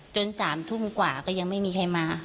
๓ทุ่มกว่าก็ยังไม่มีใครมา